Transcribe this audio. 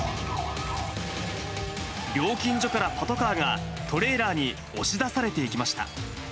料金所からパトカーがトレーラーに押し出されていきました。